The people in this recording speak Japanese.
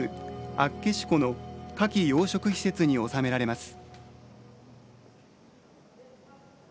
厚岸湖のカキ養殖施設に収められます。